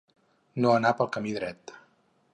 No anar pel camí dret.